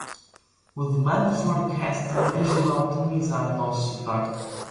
O demand forecasting ajuda a otimizar nosso estoque.